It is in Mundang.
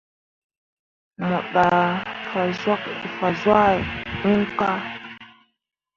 Mo ɗah fazwãhe iŋ kah.